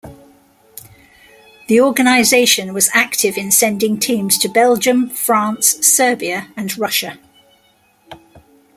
The organisation was active in sending teams to Belgium, France, Serbia and Russia.